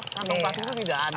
tempat makan itu tidak ada